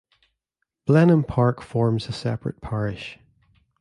Blenheim Park forms a separate parish.